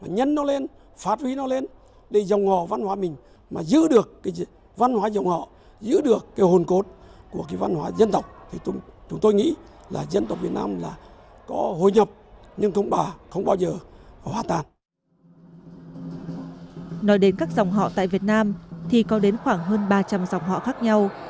nói đến các dòng họ tại việt nam thì có đến khoảng hơn ba trăm linh dòng họ khác nhau